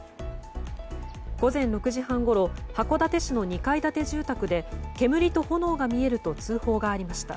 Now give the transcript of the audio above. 午前６時半ごろ函館市の２階建て住宅で煙と炎が見えると通報がありました。